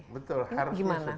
betul harusnya sudah